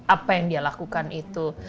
apa yang dia lakukan itu